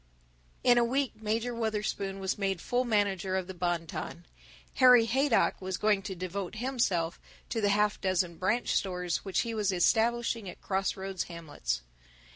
In a week Major Wutherspoon was made full manager of the Bon Ton. Harry Haydock was going to devote himself to the half dozen branch stores which he was establishing at crossroads hamlets.